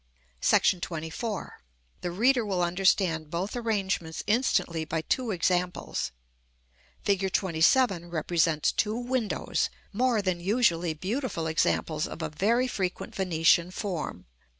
§ XXIV. The reader will understand both arrangements instantly by two examples. Fig. XXVII. represents two windows, more than usually beautiful examples of a very frequent Venetian form.